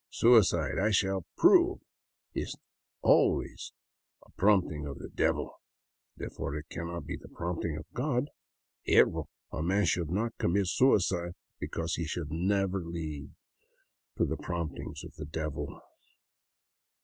Suicide, I shall prove, is always a prompting of the devil. Therefore it cannot be the prompting of God. Ergo, a man should not commit suicide, because he should never yield to the promptings of the devil."